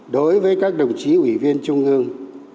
đối với các đồng chí ủy viên trung ương